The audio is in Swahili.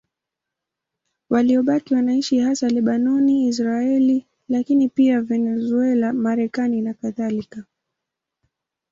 Waliobaki wanaishi hasa Lebanoni, Israeli, lakini pia Venezuela, Marekani nakadhalika.